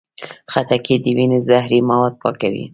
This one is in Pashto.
خټکی د وینې زهري مواد پاکوي.